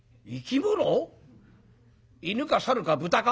犬か猿か豚か？」。